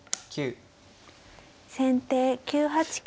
先手９八金。